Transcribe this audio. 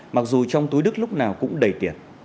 mặc dù trong túi đức lúc nào cũng đầy tiền